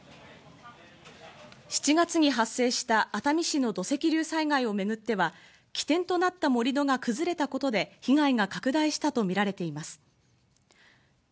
７月に発生した熱海市の土石流災害をめぐっては、起点となった盛り土が崩れたことで被害が拡大したとみられています。